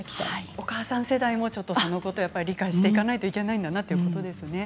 お母さん世代もそのことを理解していかないといけないんだ